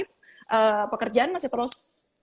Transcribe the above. pekerjaan masih terus